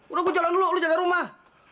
udah gue jalan dulu lo jaga rumah